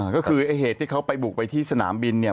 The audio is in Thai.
ก็คือไอ้เหตุที่เขาไปบุกไปที่สนามบินเนี่ย